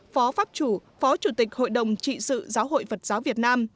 phó pháp chủ phó chủ tịch hội đồng trị sự giáo hội phật giáo việt nam